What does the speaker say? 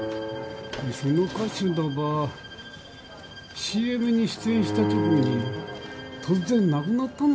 その歌手だばＣＭに出演した直後に突然亡くなったんですよ。